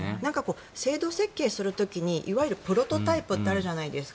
制度設計する時にいわゆるプロトタイプってあるじゃないですか。